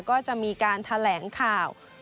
ก็จะมีการแถลงข่าว